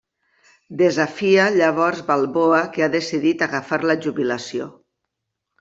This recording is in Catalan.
Desafia llavors Balboa que ha decidit agafar la jubilació.